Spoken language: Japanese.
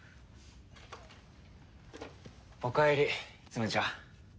おかえりツムちゃん。